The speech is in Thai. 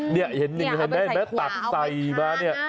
เนี่ยเห็นไหมตักใสมาเนี่ย